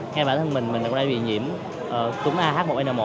nghe bản thân mình mình đã bị nhiễm túng ah một n một